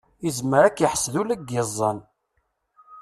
Izmer ad k-iḥsed ula deg iẓẓan.